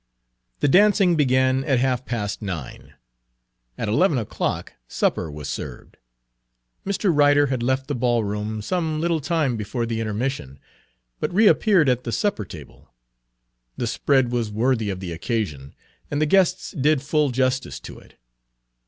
The dancing began at half past nine. At eleven o'clock supper was served. Mr. Ryder had left the ballroom some little time before the intermission, but reappeared at the supper table. The spread was worthy of the occasion, and the guests did full justice to it.